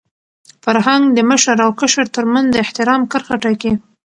فرهنګ د مشر او کشر تر منځ د احترام کرښه ټاکي.